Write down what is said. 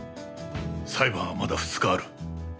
裁判はまだ２日ある。